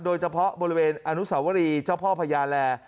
โดยเฉพาะบริเวณอนุสาวรีเจ้าพ่อพญาแล